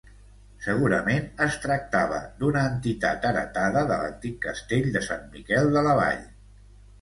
Segurament es tractava d'una entitat heretada de l'antic castell de Sant Miquel de la Vall.